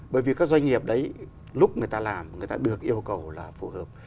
bởi vì các doanh nghiệp đấy lúc người ta làm người ta được yêu cầu là phù hợp